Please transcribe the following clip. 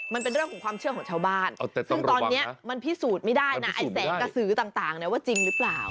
มันเป็นเรื่องของความเชื่อของชาวบ้านซึ่งตอนนี้มันพิสูจน์ไม่ได้นะไอ้แสงกระสือต่างว่าจริงหรือเปล่า